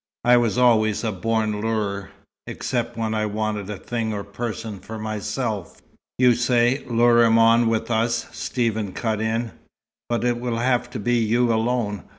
I was always a born lurer except when I wanted a thing or person for myself." "You say, lure him on with 'us'" Stephen cut in. "But it will have to be you alone.